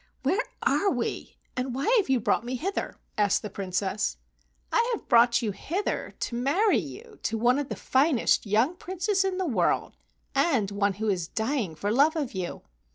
"Where are we, and why have you brought me hither?" asked the Princess. "I have brought you hither to marry you to 5i THE WONDERFUL RING one of the finest young Princes in the world, and one who is dying for love of you."